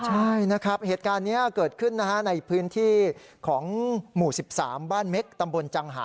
ใช่นะครับเหตุการณ์นี้เกิดขึ้นนะฮะในพื้นที่ของหมู่๑๓บ้านเม็กตำบลจังหา